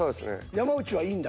山内はいいんだ？